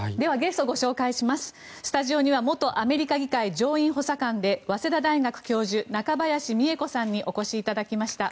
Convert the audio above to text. スタジオには元アメリカ議会上院補佐官で早稲田大学教授中林美恵子さんにお越しいただきました。